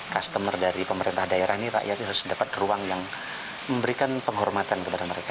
customer dari pemerintah daerah ini rakyat harus dapat ruang yang memberikan penghormatan kepada mereka